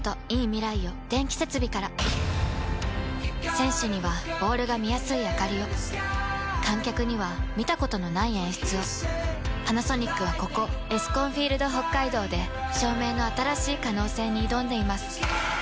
選手にはボールが見やすいあかりを観客には見たことのない演出をパナソニックはここエスコンフィールドＨＯＫＫＡＩＤＯで照明の新しい可能性に挑んでいます